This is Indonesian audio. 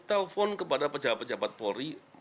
telepon kepada pejabat pejabat polri